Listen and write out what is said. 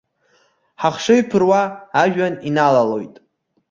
Ҳахшыҩ ԥыруа, ажәҩан иналалоит.